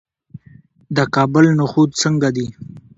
د کابل نخود څنګه دي؟